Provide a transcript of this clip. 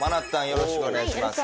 よろしくお願いします。